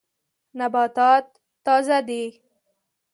نباتات تازه دي.